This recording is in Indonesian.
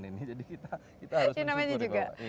ini jadi kita harus bersyukur